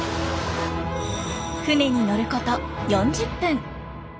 船に乗ること４０分。